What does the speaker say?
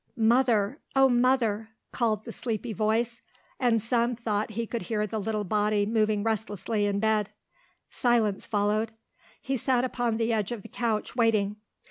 "Mother! O Mother!" called the sleepy voice, and Sam thought he could hear the little body moving restlessly in bed. Silence followed. He sat upon the edge of the couch, waiting.